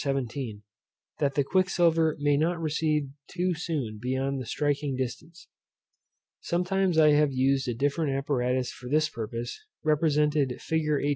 17, that the quicksilver may not recede too soon beyond the striking distance. Sometimes I have used a different apparatus for this purpose, represented fig. 18.